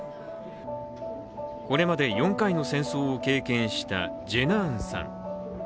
これまで４回の戦争を経験したジェナーンさん。